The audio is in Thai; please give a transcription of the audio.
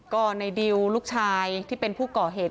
ก็ในดิวลูกชายที่เป็นผู้ก่อเหตุ